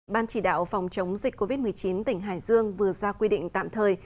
ban chỉ đạo phòng chống dịch covid một mươi chín tỉnh hải dương vừa ra quy định tạm thời